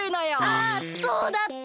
あそうだった！